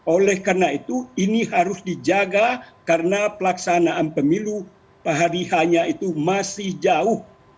oleh karena itu ini harus dijaga karena pelaksanaan pemilu pahadihanya itu masih jauh